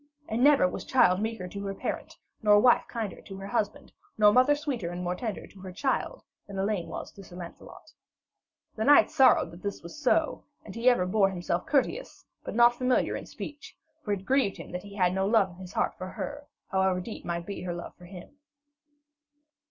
And never was child meeker to her parent, nor wife kinder to her husband, nor mother sweeter and more tender to her child, than Elaine was to Sir Lancelot. The knight sorrowed that this was so; and he ever bore himself courteous, but not familiar in speech, for it grieved him that he had no love in his heart for her, however deep might be her love for him.